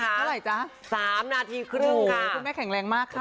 เท่าไหร่จ๊ะ๓นาทีครึ่งค่ะคุณแม่แข็งแรงมากค่ะ